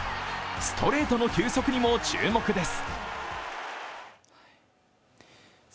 ストレートの球速にも注目です。